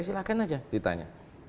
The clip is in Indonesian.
silahkan aja ditanya